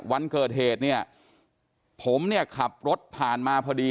วันเกิดเหตุเนี่ยผมเนี่ยขับรถผ่านมาพอดี